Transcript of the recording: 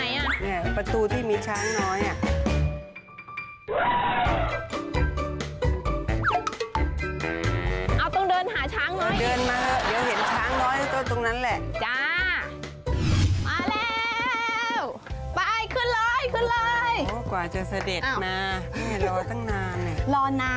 อยู่ตรงไหนน่ะ